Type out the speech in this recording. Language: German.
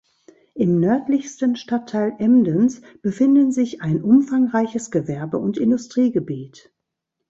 Im nördlichsten Stadtteil Emdens befinden sich ein umfangreiches Gewerbe- und Industriegebiet.